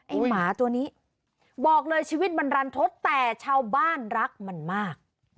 หมาตัวนี้บอกเลยชีวิตมันรันทศแต่ชาวบ้านรักมันมาก